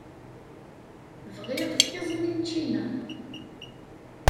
Bɣiɣ iẓmi n ččina.